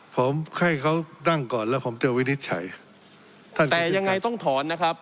ผมให้เขานั่งก่อนแล้วผมจะวินิจฉัยท่านแต่ยังไงต้องถอนนะครับ